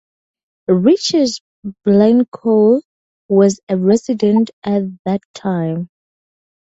Richard Blincoe was a resident at that time.